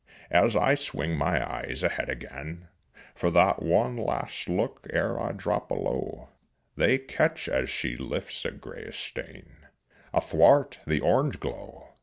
As I swing my eyes ahead again For that one last look ere I drop below, They catch as she lifts a grayish stain Athwart the orange glow.